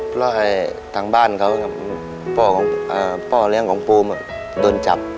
เพราะทางบ้านเขาพ่อเลี้ยงของปูมโดนจับ